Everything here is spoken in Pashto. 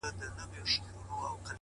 بس کیسې دي د پنځه زره کلونو,